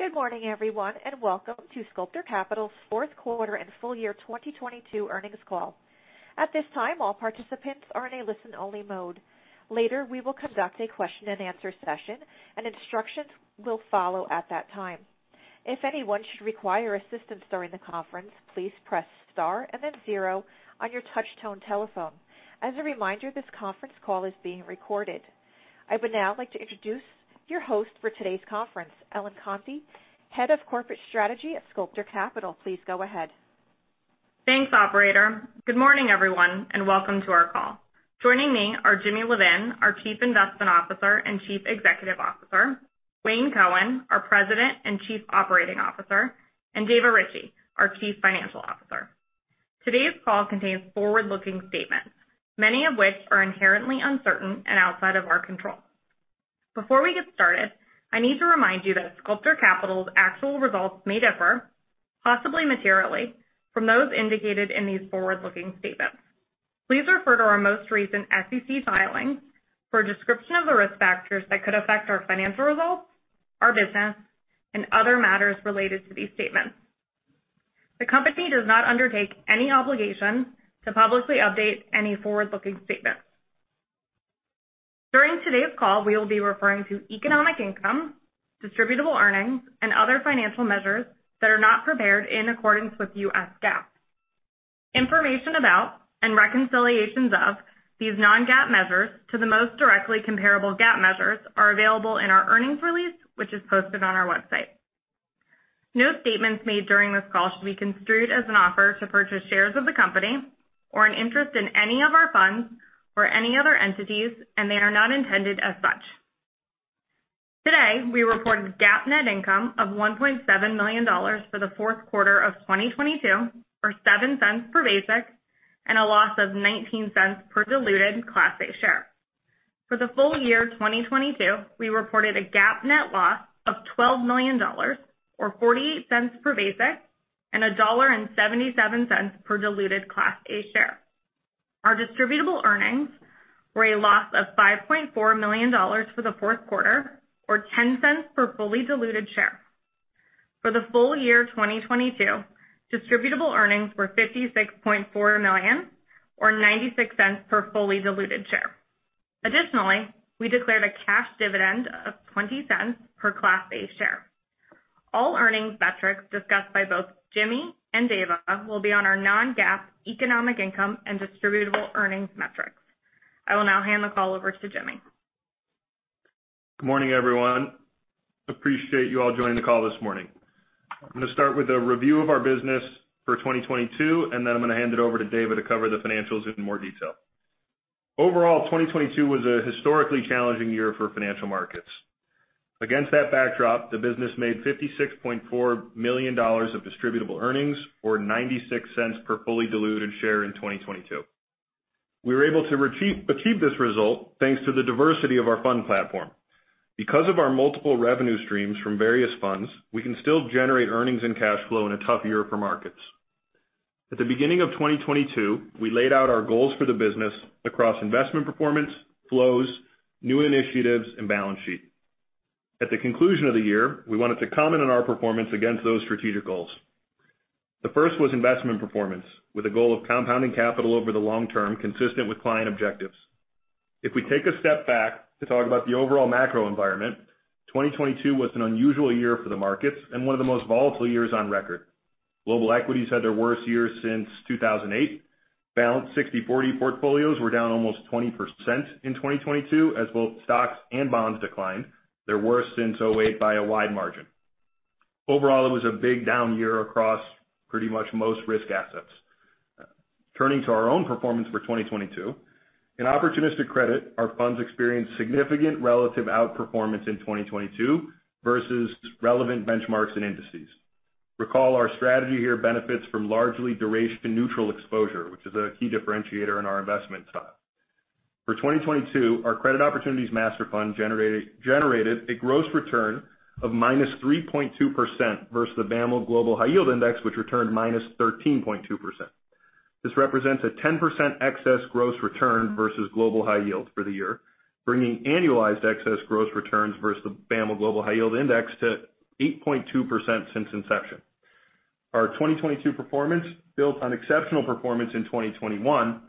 Good morning, everyone, and welcome to Sculptor Capital's fourth quarter and full year 2022 earnings call. At this time, all participants are in a listen-only mode. Later, we will conduct a question-and-answer session, and instructions will follow at that time. If anyone should require assistance during the conference, please press star and then zero on your touch-tone telephone. As a reminder, this conference call is being recorded. I would now like to introduce your host for today's conference, Ellen Conti, Head of Corporate Strategy at Sculptor Capital. Please go ahead. Thanks, operator. Good morning, everyone, welcome to our call. Joining me are Jimmy Levin, our Chief Investment Officer and Chief Executive Officer; Wayne Cohen, our President and Chief Operating Officer; and David Richey, our Chief Financial Officer. Today's call contains forward-looking statements, many of which are inherently uncertain and outside of our control. Before we get started, I need to remind you that Sculptor Capital's actual results may differ, possibly materially, from those indicated in these forward-looking statements. Please refer to our most recent SEC filings for a description of the risk factors that could affect our financial results, our business, and other matters related to these statements. The company does not undertake any obligation to publicly update any forward-looking statements. During today's call, we will be referring to Economic Income, Distributable Earnings, and other financial measures that are not prepared in accordance with U.S. GAAP. Information about and reconciliations of these non-GAAP measures to the most directly comparable GAAP measures are available in our earnings release, which is posted on our website. No statements made during this call should be construed as an offer to purchase shares of the company or an interest in any of our funds or any other entities. They are not intended as such. Today, we reported GAAP net income of $1.7 million for the fourth quarter of 2022, or $0.07 per basic, and a loss of $0.19 per diluted Class A share. For the full year 2022, we reported a GAAP net loss of $12 million or $0.48 per basic and $1.77 per diluted Class A share. Our Distributable Earnings were a loss of $5.4 million for the fourth quarter or $0.10 per fully diluted share. For the full year 2022, Distributable Earnings were $56.4 million or $0.96 per fully diluted share. Additionally, we declared a cash dividend of $0.20 per Class A share. All earnings metrics discussed by both Jimmy and David will be on our non-GAAP Economic Income and Distributable Earnings metrics. I will now hand the call over to Jimmy. Good morning, everyone. Appreciate you all joining the call this morning. I'm gonna start with a review of our business for 2022, and then I'm gonna hand it over to David to cover the financials in more detail. Overall, 2022 was a historically challenging year for financial markets. Against that backdrop, the business made $56.4 million of Distributable Earnings or $0.96 per fully diluted share in 2022. We were able to achieve this result thanks to the diversity of our fund platform. Because of our multiple revenue streams from various funds, we can still generate earnings and cash flow in a tough year for markets. At the beginning of 2022, we laid out our goals for the business across investment performance, flows, new initiatives, and balance sheet. At the conclusion of the year, we wanted to comment on our performance against those strategic goals. The first was investment performance, with the goal of compounding capital over the long term consistent with client objectives. We take a step back to talk about the overall macro environment, 2022 was an unusual year for the markets and one of the most volatile years on record. Global equities had their worst year since 2008. Balanced 60/40 portfolios were down almost 20% in 2022 as both stocks and bonds declined, their worst since 2008 by a wide margin. Turning to our own performance for 2022, in opportunistic credit, our funds experienced significant relative outperformance in 2022 versus relevant benchmarks and indices. Recall our strategy here benefits from largely duration-neutral exposure, which is a key differentiator in our investment style. For 2022, our Credit Opportunities Master Fund generated a gross return of -3.2% versus the bond market Global High Yield Index, which returned -13.2%. This represents a 10% excess gross return versus global high yields for the year, bringing annualized excess gross returns versus the ICE BofA Global High Yield Index to 8.2% since inception. Our 2022 performance built on exceptional performance in 2021,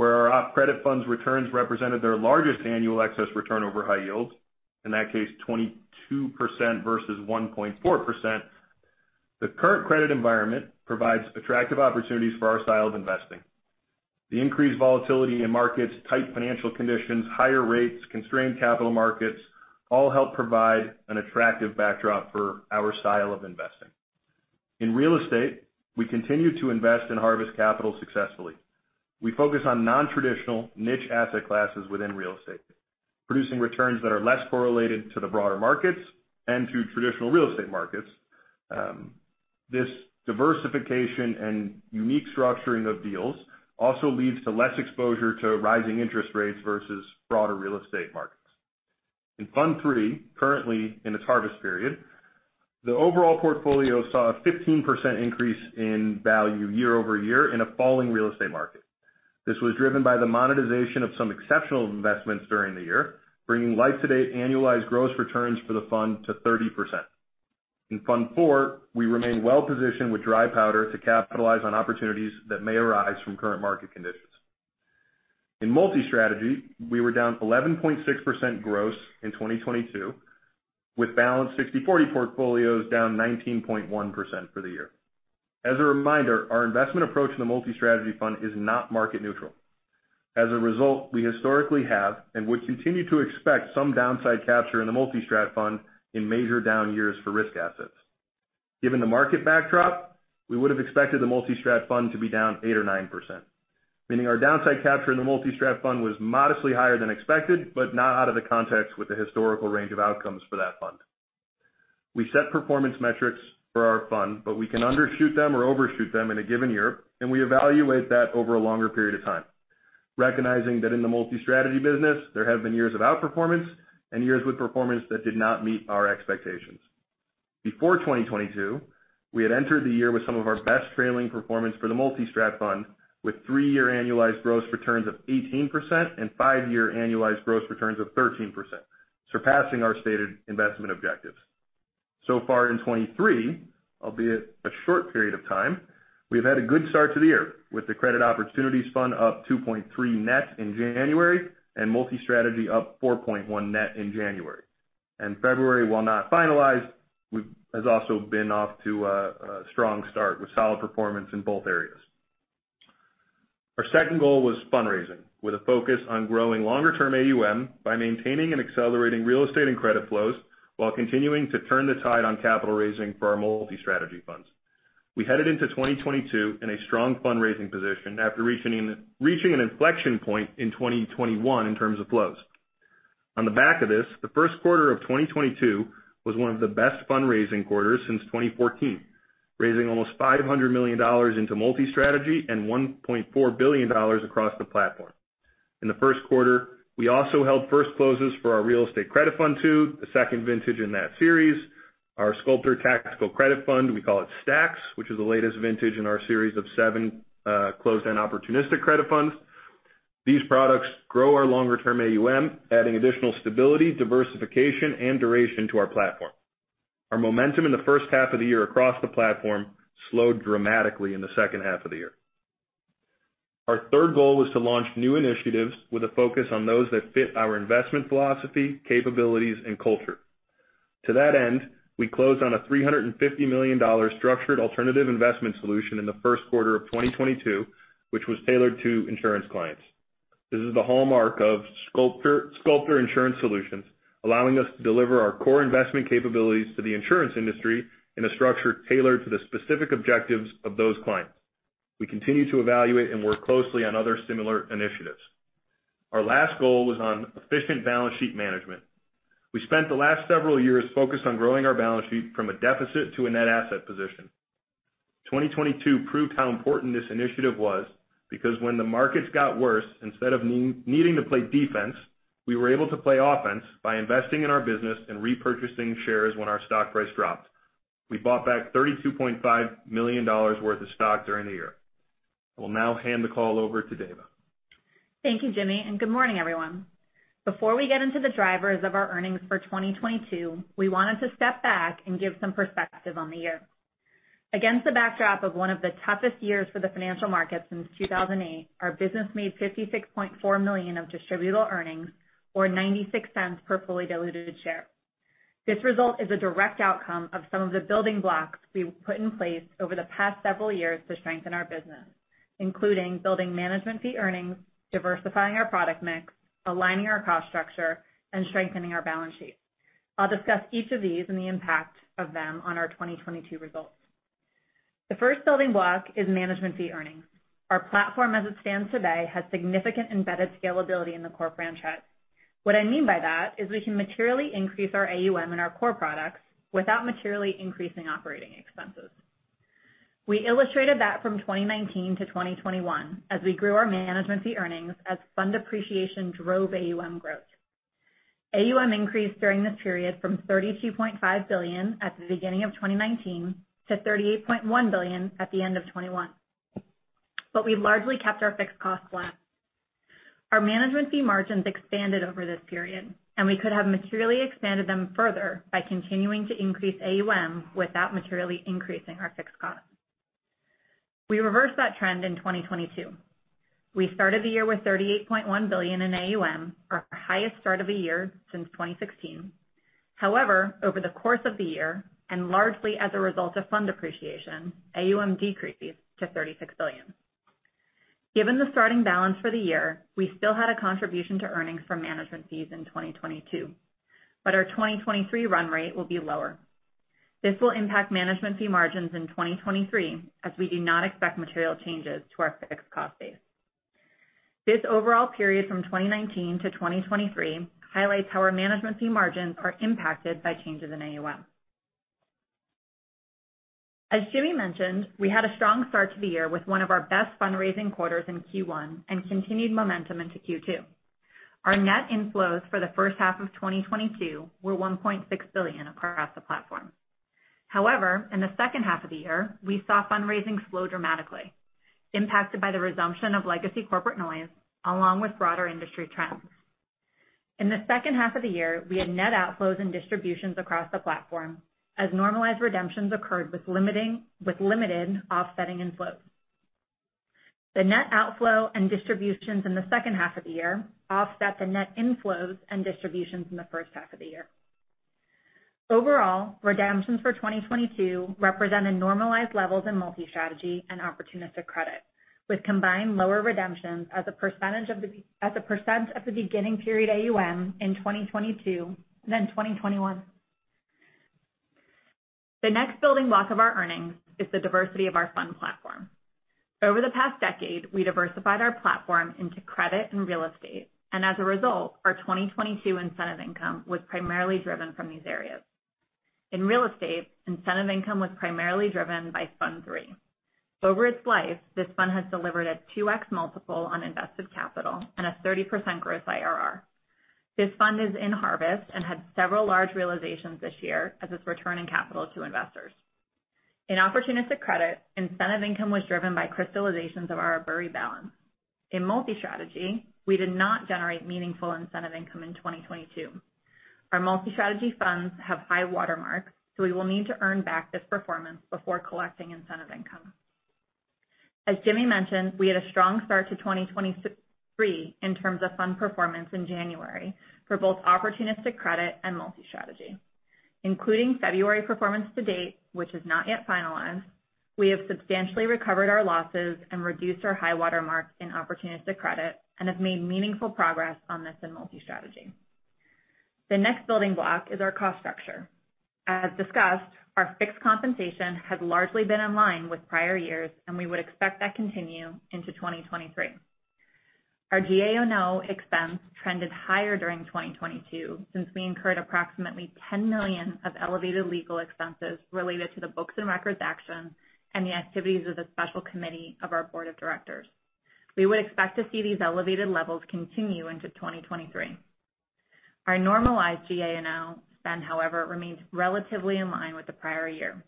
where our op credit funds returns represented their largest annual excess return over high yields. In that case, 22% versus 1.4%. The current credit environment provides attractive opportunities for our style of investing. The increased volatility in markets, tight financial conditions, higher rates, constrained capital markets all help provide an attractive backdrop for our style of investing. In real estate, we continue to invest and harvest capital successfully. We focus on non-traditional niche asset classes within real estate, producing returns that are less correlated to the broader markets and to traditional real estate markets. This diversification and unique structuring of deals also leads to less exposure to rising interest rates versus broader real estate markets. In Fund III, currently in its harvest period, the overall portfolio saw a 15% increase in value year-over-year in a falling real estate market. This was driven by the monetization of some exceptional investments during the year, bringing life-to-date annualized gross returns for the fund to 30%. In Fund IV, we remain well-positioned with dry powder to capitalize on opportunities that may arise from current market conditions. In Multi-Strategy, we were down 11.6% gross in 2022, with balanced 60/40 portfolios down 19.1% for the year. As a reminder, our investment approach in the Multi-Strategy fund is not market neutral. As a result, we historically have and would continue to expect some downside capture in the Multi-Strat fund in major down years for risk assets. Given the market backdrop, we would have expected the Multi-Strat fund to be down 8% or 9%, meaning our downside capture in the Multi-Strat fund was modestly higher than expected, but not out of the context with the historical range of outcomes for that fund. We set performance metrics for our fund, but we can undershoot them or overshoot them in a given year, and we evaluate that over a longer period of time. Recognizing that in the Multi-Strategy business, there have been years of outperformance and years with performance that did not meet our expectations. Before 2022, we had entered the year with some of our best trailing performance for the Multi-Strat fund, with three-year annualized gross returns of 18% and five-year annualized gross returns of 13%, surpassing our stated investment objectives. So far in 2023, albeit a short period of time, we have had a good start to the year, with the credit opportunities fund up 2.3 net in January and Multi-Strategy up 4.1 net in January. In February, while not finalized, we've also been off to a strong start with solid performance in both areas. Our second goal was fundraising, with a focus on growing longer-term AUM by maintaining and accelerating real estate and credit flows while continuing to turn the tide on capital raising for our Multi-Strategy funds. We headed into 2022 in a strong fundraising position after reaching an inflection point in 2021 in terms of flows. On the back of this, the first quarter of 2022 was one of the best fundraising quarters since 2014, raising almost $500 million into Multi-Strategy and $1.4 billion across the platform. In the first quarter, we also held first closes for our Real Estate Credit Fund II, the second vintage in that series, our Sculptor Tactical Credit Fund, we call it STAX, which is the latest vintage in our series of seven closed-end opportunistic credit funds. These products grow our longer term AUM, adding additional stability, diversification, and duration to our platform. Our momentum in the first half of the year across the platform slowed dramatically in the second half of the year. Our third goal was to launch new initiatives with a focus on those that fit our investment philosophy, capabilities, and culture. To that end, we closed on a $350 million structured alternative investment solution in the first quarter of 2022, which was tailored to insurance clients. This is the hallmark of Sculptor Insurance Solutions, allowing us to deliver our core investment capabilities to the insurance industry in a structure tailored to the specific objectives of those clients. We continue to evaluate and work closely on other similar initiatives. Our last goal was on efficient balance sheet management. We spent the last several years focused on growing our balance sheet from a deficit to a net asset position. 2022 proved how important this initiative was because when the markets got worse, instead of needing to play defense, we were able to play offense by investing in our business and repurchasing shares when our stock price dropped. We bought back $32.5 million worth of stock during the year. I will now hand the call over to David. Thank you, Jimmy. Good morning, everyone. Before we get into the drivers of our earnings for 2022, we wanted to step back and give some perspective on the year. Against the backdrop of one of the toughest years for the financial markets since 2008, our business made $56.4 million of Distributable Earnings or $0.96 per fully diluted share. This result is a direct outcome of some of the building blocks we've put in place over the past several years to strengthen our business, including building management fee earnings, diversifying our product mix, aligning our cost structure, and strengthening our balance sheet. I'll discuss each of these and the impact of them on our 2022 results. The first building block is management fee earnings. Our platform, as it stands today, has significant embedded scalability in the core franchise. What I mean by that is we can materially increase our AUM in our core products without materially increasing operating expenses. We illustrated that from 2019 to 2021 as we grew our management fee earnings as fund appreciation drove AUM growth. AUM increased during this period from $32.5 billion at the beginning of 2019 to $38.1 billion at the end of 2021. We largely kept our fixed costs flat. Our management fee margins expanded over this period, and we could have materially expanded them further by continuing to increase AUM without materially increasing our fixed costs. We reversed that trend in 2022. We started the year with $38.1 billion in AUM, our highest start of a year since 2016. However, over the course of the year, and largely as a result of fund appreciation, AUM decreased to $36 billion. Given the starting balance for the year, we still had a contribution to earnings from management fees in 2022, but our 2023 run rate will be lower. This will impact management fee margins in 2023 as we do not expect material changes to our fixed cost base. This overall period from 2019-2023 highlights how our management fee margins are impacted by changes in AUM. As Jimmy mentioned, we had a strong start to the year with one of our best fundraising quarters in Q1 and continued momentum into Q2. Our net inflows for the first half of 2022 were $1.6 billion across the platform. However, in the second half of the year, we saw fundraising slow dramatically, impacted by the resumption of legacy corporate noise along with broader industry trends. In the second half of the year, we had net outflows and distributions across the platform as normalized redemptions occurred with limited offsetting inflows. The net outflow and distributions in the second half of the year offset the net inflows and distributions in the first half of the year. Overall, redemptions for 2022 represented normalized levels in Multi-Strategy and opportunistic credit, with combined lower redemptions as a percent of the beginning period AUM in 2022 than 2021. The next building block of our earnings is the diversity of our fund platform. Over the past decade, we diversified our platform into credit and real estate, and as a result, our 2022 incentive income was primarily driven from these areas. In real estate, incentive income was primarily driven by Fund III. Over its life, this fund has delivered a 2x multiple on invested capital and a 30% gross IRR. This fund is in harvest and had several large realizations this year as it's returning capital to investors. In opportunistic credit, incentive income was driven by crystallizations of our ABURI balance. In Multi-Strategy, we did not generate meaningful incentive income in 2022. Our Multi-Strategy funds have high watermarks, so we will need to earn back this performance before collecting incentive income. As Jimmy mentioned, we had a strong start to 2023 in terms of fund performance in January for both opportunistic credit and Multi-Strategy. Including February performance to date, which is not yet finalized, we have substantially recovered our losses and reduced our high watermarks in opportunistic credit and have made meaningful progress on this in Multi-Strategy. The next building block is our cost structure. As discussed, our fixed compensation has largely been in line with prior years, we would expect that continue into 2023. Our GA&O expense trended higher during 2022 since we incurred approximately $10 million of elevated legal expenses related to the books and records action and the activities of the special committee of our board of directors. We would expect to see these elevated levels continue into 2023. Our normalized GA&O spend, however, remains relatively in line with the prior year.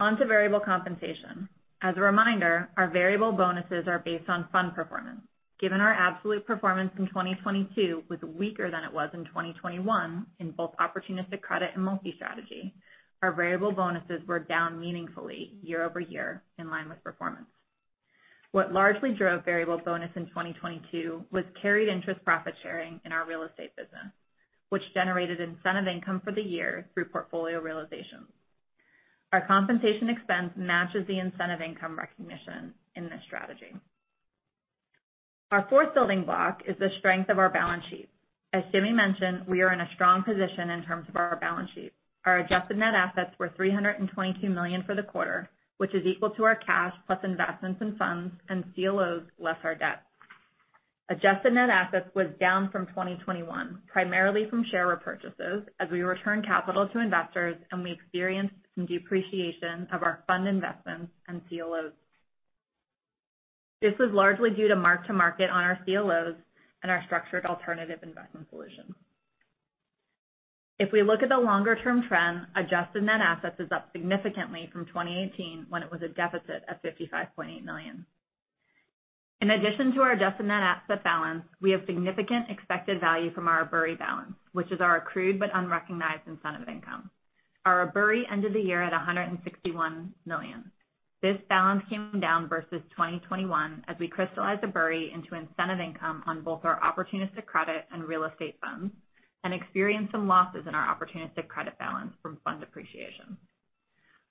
On to variable compensation. As a reminder, our variable bonuses are based on fund performance. Given our absolute performance in 2022 was weaker than it was in 2021 in both opportunistic credit and Multi-Strategy, our variable bonuses were down meaningfully year-over-year in line with performance. What largely drove variable bonus in 2022 was carried interest profit sharing in our real estate business, which generated incentive income for the year through portfolio realizations. Our compensation expense matches the incentive income recognition in this strategy. Our fourth building block is the strength of our balance sheet. As Jimmy mentioned, we are in a strong position in terms of our balance sheet. Our adjusted net assets were $322 million for the quarter, which is equal to our cash plus investments in funds and CLOs less our debt. Adjusted net assets was down from 2021, primarily from share repurchases as we return capital to investors and we experienced some depreciation of our fund investments and CLOs. This was largely due to mark-to-market on our CLOs and our structured alternative investment solutions. If we look at the longer-term trend, adjusted net assets is up significantly from 2018 when it was a deficit of $55.8 million. In addition to our adjusted net asset balance, we have significant expected value from our ABURI balance, which is our accrued but unrecognized incentive income. Our ABURI ended the year at $161 million. This balance came down versus 2021 as we crystallized ABURI into incentive income on both our opportunistic credit and real estate funds and experienced some losses in our opportunistic credit balance from fund depreciation.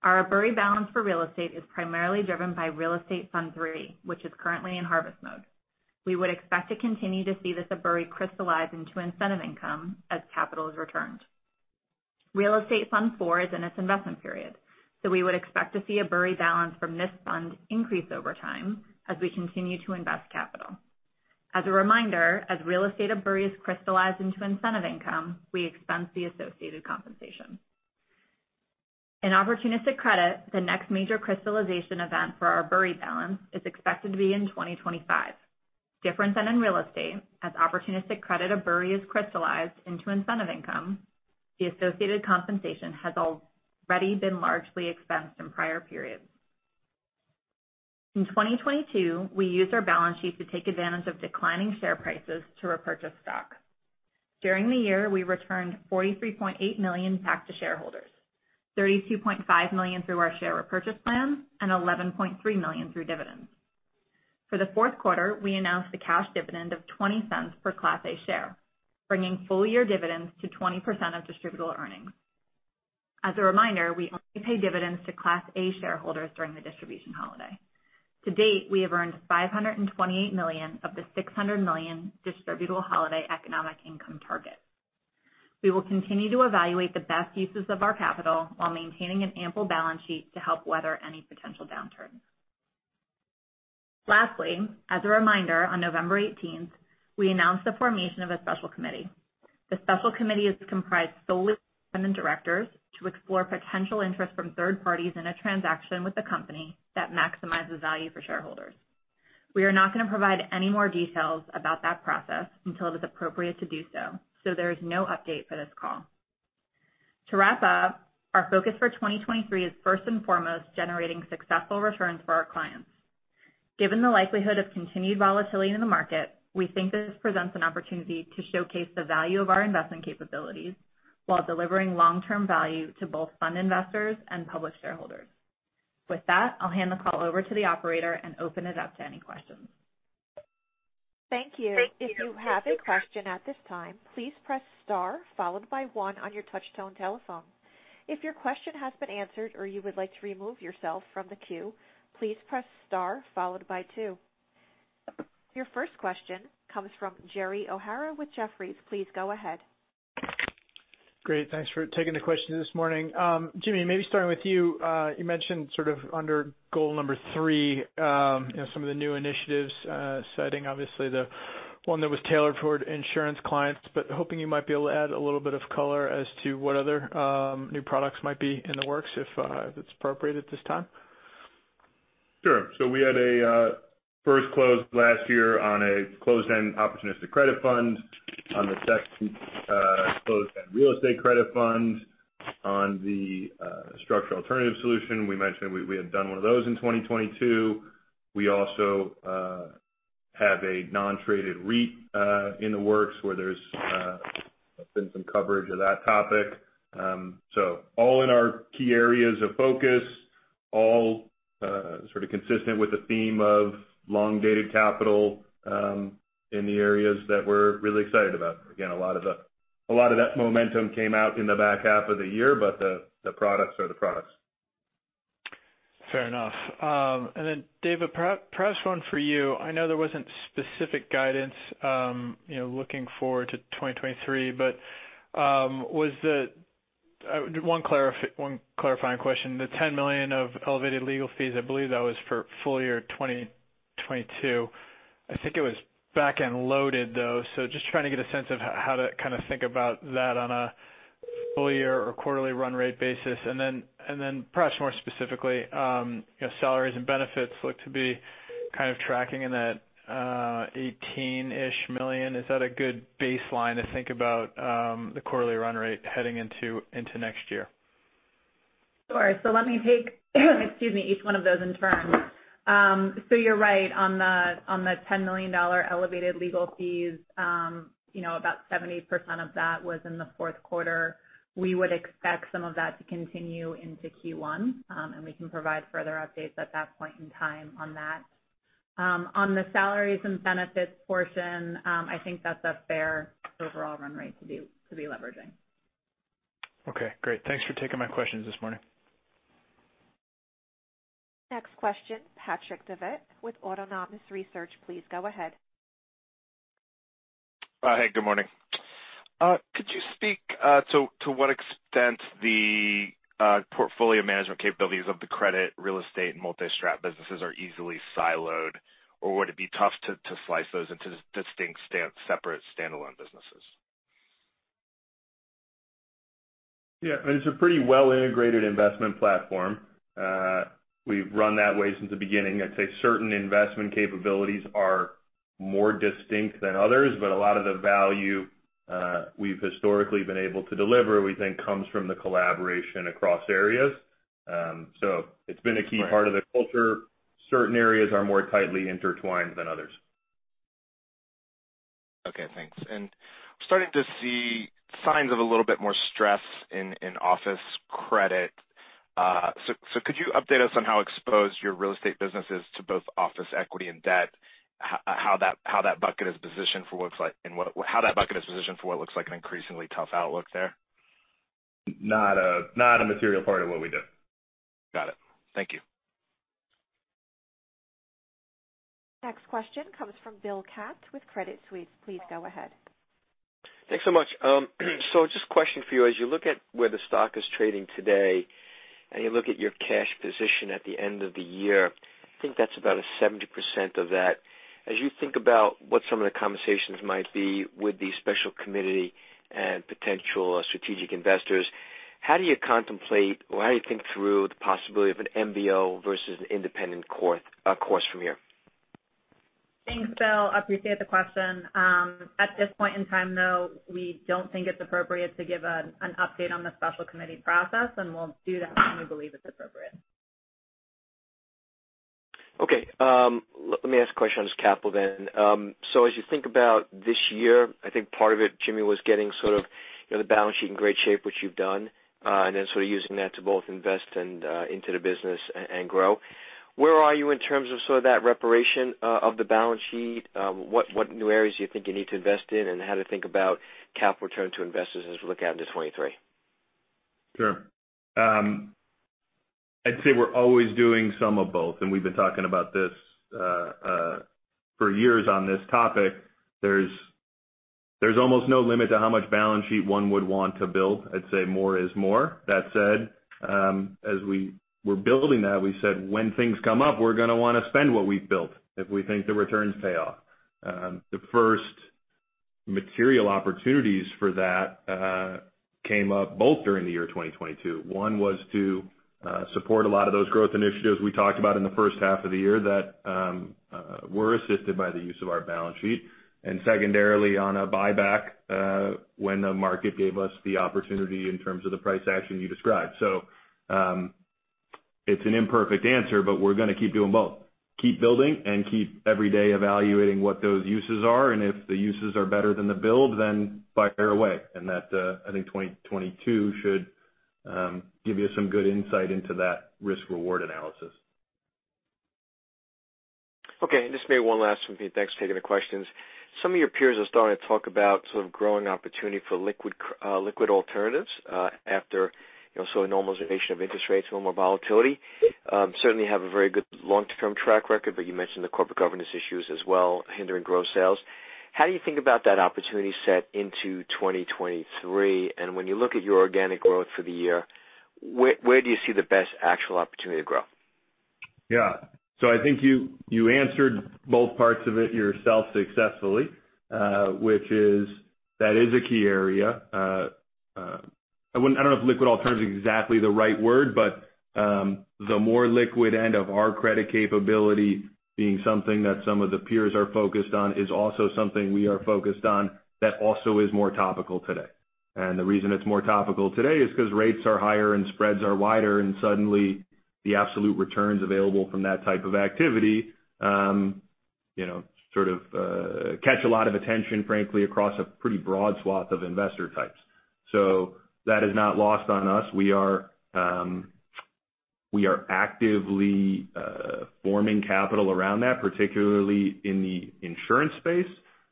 Our ABURI balance for real estate is primarily driven by Real Estate Fund III, which is currently in harvest mode. We would expect to continue to see this ABURI crystallize into incentive income as capital is returned. Real Estate Fund IV is in its investment period, so we would expect to see ABURI balance from this fund increase over time as we continue to invest capital. As a reminder, as real estate ABURI is crystallized into incentive income, we expense the associated compensation. In opportunistic credit, the next major crystallization event for our ABURI balance is expected to be in 2025. Different than in real estate, as opportunistic credit ABURI is crystallized into incentive income, the associated compensation has already been largely expensed in prior periods. In 2022, we used our balance sheet to take advantage of declining share prices to repurchase stock. During the year, we returned $43.8 million back to shareholders, $32.5 million through our share repurchase plan and $11.3 million through dividends. For the fourth quarter, we announced a cash dividend of $0.20 per Class A share, bringing full year dividends to 20% of Distributable Earnings. As a reminder, we only pay dividends to Class A shareholders during the Distribution Holiday. To date, we have earned $528 million of the $600 million Distribution Holiday Economic Income target. We will continue to evaluate the best uses of our capital while maintaining an ample balance sheet to help weather any potential downturns. Lastly, as a reminder, on November 18th, we announced the formation of a special committee. The special committee is comprised solely of independent directors to explore potential interest from third parties in a transaction with the company that maximizes value for shareholders. We are not going to provide any more details about that process until it is appropriate to do so. There is no update for this call. To wrap up, our focus for 2023 is first and foremost generating successful returns for our clients. Given the likelihood of continued volatility in the market, we think this presents an opportunity to showcase the value of our investment capabilities while delivering long-term value to both fund investors and published shareholders. With that, I'll hand the call over to the operator and open it up to any questions. Thank you. If you have a question at this time, please press star followed by one on your touch-tone telephone. If your question has been answered or you would like to remove yourself from the queue, please press star followed by two. Your first question comes from Gerald O'Hara with Jefferies. Please go ahead. Great. Thanks for taking the questions this morning. Jimmy, maybe starting with you. You mentioned sort of under goal number three, you know, some of the new initiatives, citing obviously the one that was tailored toward insurance clients, but hoping you might be able to add a little bit of color as to what other new products might be in the works if it's appropriate at this time. Sure. We had a first close last year on a closed-end opportunistic credit fund on the second closed-end real estate credit fund on the structural alternative solution. We mentioned we had done one of those in 2022. We also have a non-traded REIT in the works where there's been some coverage of that topic. All in our key areas of focus, all sort of consistent with the theme of long-dated capital in the areas that we're really excited about. Again, a lot of that momentum came out in the back half of the year, but the products are the products. Fair enough. Then David, perhaps one for you. I know there wasn't specific guidance, you know, looking forward to 2023, but, one clarifying question. The $10 million of elevated legal fees, I believe that was for full year 2022. I think it was back-end loaded, though. Just trying to get a sense of how to kind of think about that on a full year or quarterly run rate basis. Then, perhaps more specifically, you know, salaries and benefits look to be kind of tracking in that $18 million-ish. Is that a good baseline to think about the quarterly run rate heading into next year? Sure. Let me take, excuse me, each one of those in turn. You're right on the, on the $10 million elevated legal fees. You know, about 70% of that was in the fourth quarter. We would expect some of that to continue into Q1, and we can provide further updates at that point in time on that. On the salaries and benefits portion, I think that's a fair overall run rate to be leveraging. Okay, great. Thanks for taking my questions this morning. Next question, Patrick Davitt with Autonomous Research. Please go ahead. Hey, good morning. Could you speak to what extent the portfolio management capabilities of the credit, real estate, and multi-strat businesses are easily siloed, or would it be tough to slice those into distinct separate standalone businesses? It's a pretty well integrated investment platform. We've run that way since the beginning. I'd say certain investment capabilities are more distinct than others, but a lot of the value, we've historically been able to deliver, we think comes from the collaboration across areas. It's been a key part of the culture. Certain areas are more tightly intertwined than others. Okay, thanks. Starting to see signs of a little bit more stress in office credit. Could you update us on how exposed your real estate business is to both office equity and debt, how that bucket is positioned for what looks like an increasingly tough outlook there? Not a material part of what we do. Got it. Thank you. Next question comes from Bill Katz with Credit Suisse. Please go ahead. Thanks so much. Just a question for you. As you look at where the stock is trading today and you look at your cash position at the end of the year, I think that's about a 70% of that. As you think about what some of the conversations might be with the special committee and potential strategic investors, how do you contemplate or how do you think through the possibility of an MBO versus an independent course from here? Thanks, Bill. I appreciate the question. At this point in time, though, we don't think it's appropriate to give an update on the special committee process, and we'll do that when we believe it's appropriate. Okay, let me ask a question on just capital then. As you think about this year, I think part of it, Jimmy, was getting sort of, you know, the balance sheet in great shape, which you've done, and then sort of using that to both invest and into the business and grow. Where are you in terms of sort of that reparation of the balance sheet? What new areas do you think you need to invest in and how to think about capital return to investors as we look out into 2023? Sure. I'd say we're always doing some of both, and we've been talking about this for years on this topic. There's almost no limit to how much balance sheet one would want to build. I'd say more is more. That said, as we were building that, we said when things come up, we're gonna wanna spend what we've built if we think the returns pay off. The first material opportunities for that came up both during the year 2022. One was to support a lot of those growth initiatives we talked about in the first half of the year that were assisted by the use of our balance sheet. Secondarily, on a buyback, when the market gave us the opportunity in terms of the price action you described. It's an imperfect answer, but we're gonna keep doing both. Keep building and keep every day evaluating what those uses are, and if the uses are better than the build, then fire away. That, I think 2022 should give you some good insight into that risk-reward analysis. Okay. Just maybe one last one for you. Thanks for taking the questions. Some of your peers are starting to talk about sort of growing opportunity for liquid alternatives, after, you know, saw a normalization of interest rates, a little more volatility. Certainly have a very good long-term track record, but you mentioned the corporate governance issues as well hindering growth sales. How do you think about that opportunity set into 2023? When you look at your organic growth for the year, where do you see the best actual opportunity to grow? I think you answered both parts of it yourself successfully, which is, that is a key area. I don't know if liquid alternative is exactly the right word, but the more liquid end of our credit capability being something that some of the peers are focused on is also something we are focused on that also is more topical today. The reason it's more topical today is 'cause rates are higher and spreads are wider, and suddenly the absolute returns available from that type of activity, you know, sort of, catch a lot of attention, frankly, across a pretty broad swath of investor types. That is not lost on us. We are, we are actively forming capital around that, particularly in the insurance space.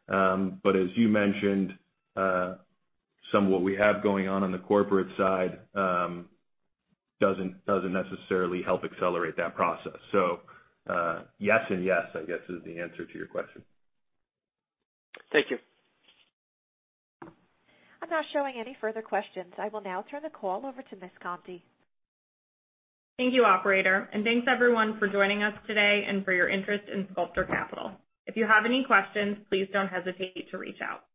As you mentioned, some what we have going on on the corporate side doesn't necessarily help accelerate that process. Yes and yes, I guess, is the answer to your question. Thank you. I'm not showing any further questions. I will now turn the call over to Ms. Conti. Thank you, operator. Thanks everyone for joining us today and for your interest in Sculptor Capital. If you have any questions, please don't hesitate to reach out.